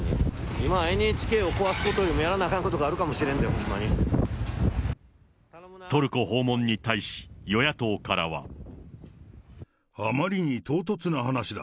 今、ＮＨＫを壊すことよりやらなあかんことあるかもしれんで、トルコ訪問に対し、与野党かあまりに唐突な話だ。